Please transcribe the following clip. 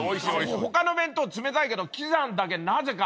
他の弁当冷たいけど喜山だけなぜか。